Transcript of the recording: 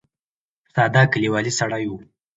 ساده کلیوالي سړی و.